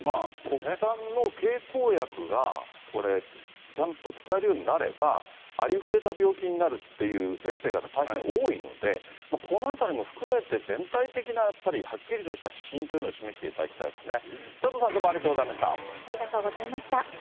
国産の経口薬がこれ、ちゃんと使えるようになれば、ありふれた病気になるっていう先生方、大変多いので、このあたりも含めて、全体的なやっぱり、はっきりとした指針というのを示していただきたいですね。